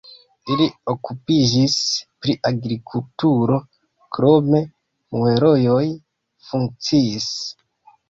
Ili okupiĝis pri agrikulturo, krome muelejoj funkciis.